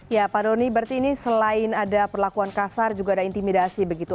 ya pak doni berarti ini selain ada perlakuan kasar juga ada intimidasi begitu